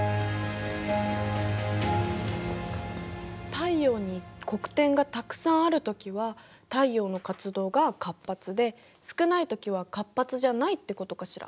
太陽に黒点がたくさんあるときは太陽の活動が活発で少ないときは活発じゃないってことかしら。